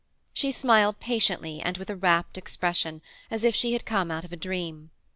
She smiled patiently and with a rapt expression as if she had come out of a dream.